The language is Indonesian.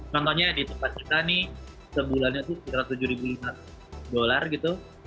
contohnya di tempat kita nih sebulannya itu sekitar tujuh lima ratus dolar gitu